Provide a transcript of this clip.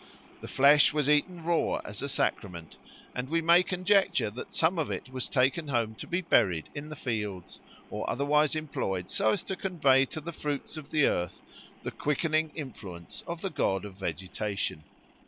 The flesh was eaten raw as a sacrament, and we may conjecture that some of it was taken home to be buried in the fields, or otherwise employed so as to convey to the fruits of the earth the quickening influence of the god of vegetation.